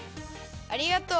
ありがとう。